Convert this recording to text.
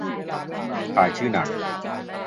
ทายชื่อหนัง